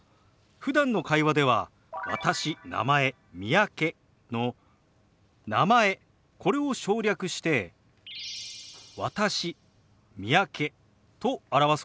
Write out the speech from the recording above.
ふだんの会話では「私」「名前」「三宅」の「名前」これを省略して「私」「三宅」と表すこともありますよ。